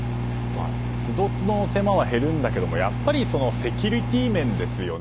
その都度、手間は減るんだけどやっぱりセキュリティー面ですよね。